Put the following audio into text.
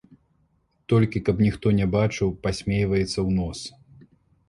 Толькі, каб ніхто не бачыў, пасмейваецца ў нос.